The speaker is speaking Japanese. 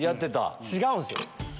違うんすよ！